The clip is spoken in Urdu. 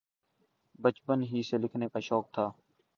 بچپن ہی سے لکھنے کا شوق تھا۔